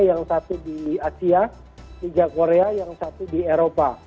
yang satu di asia tiga korea yang satu di eropa